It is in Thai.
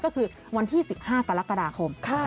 ก็คือวันที่๑๕กรกฎาคม